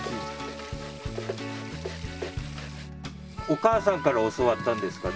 お母さんから教わったんですか？